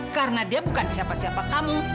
karena dia bukan siapa siapa kamu